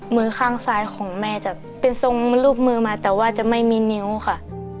มือข้างซ้ายของแม่จะเป็นทรงรูปมือมาแต่ว่าจะไม่มีนิ้วค่ะ